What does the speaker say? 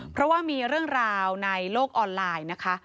เพราะว่ามีเรื่องราวในโลกออนไลน์นะคะ